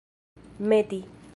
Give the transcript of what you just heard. meti